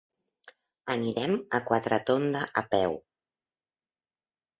Anirem a Quatretonda a peu.